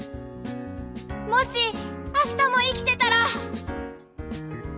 もし明日も生きてたら！